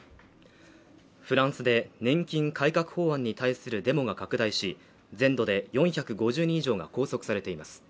フランスで年金改革法案に対するデモが拡大し、全土で４５０人以上が拘束されています。